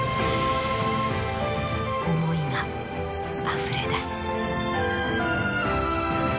思いがあふれ出す。